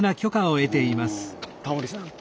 タモリさん